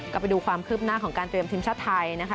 ก็ไปดูความคืบหน้าของการเตรียมทีมชาติไทยนะคะ